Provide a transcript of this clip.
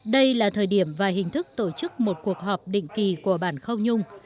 đây là thời điểm và hình thức tổ chức một cuộc họp định kỳ của bản khâu nhung